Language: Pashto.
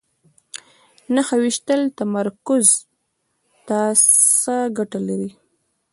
نښه ویشتل تمرکز ته څه ګټه لري؟